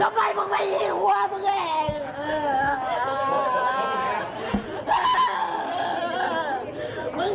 ทำไมมันไม่ยิงหัวแม่ง